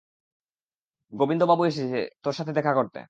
গবিন্দ বাবু এসেছে তোর সাথে দেখা করতে।